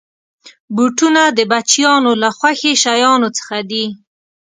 بوټونه د بچیانو له خوښې شيانو څخه دي.